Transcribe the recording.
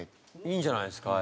いいんじゃないですか？